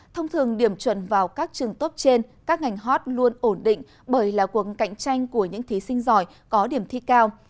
thông thường điểm chuẩn vào các trường tốt trên các ngành hot luôn ổn định bởi là cuộc cạnh tranh của những thí sinh giỏi có điểm thi cao